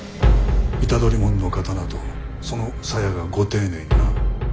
虎杖紋の刀とその鞘がご丁寧にな。